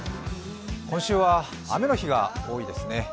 今週は雨の日が多いですね。